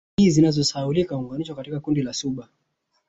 Jamii zinazosahaulika huunganishwa katika kundi la Suba